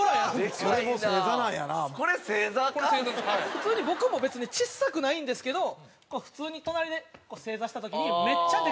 普通に僕も別にちっさくないんですけど普通に隣で正座した時にめっちゃでかく見えるんですよ。